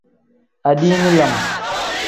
Adiini lam.